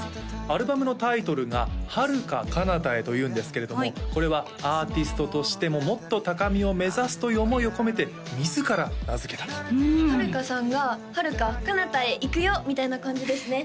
アルバムのタイトルが「ハルカカナタヘ」というんですけれどもこれはアーティストとしてももっと高みを目指すという思いを込めて自ら名付けたと遥さんが「ハルカカナタヘ行くよ」みたいな感じですね